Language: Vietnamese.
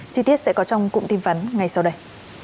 chi tiết sẽ có trong cụm tin vắn ngay sau đây